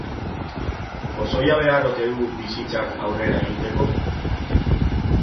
Pozoia behar ote du bizitzak aurrera egiteko?